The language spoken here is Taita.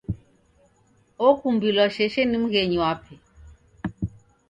Okumbilwa sheshe ni mghenyu wape.